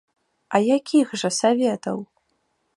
А якіх жа саветаў?